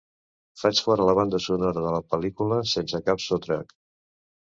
Faig fora la banda sonora de la pel·lícula sense cap sotrac.